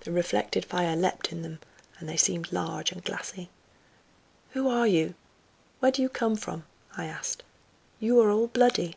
The reflected fire leapt in them, and they seemed large and glassy. "Who are you? Where do you come from?" I asked; "you are all bloody."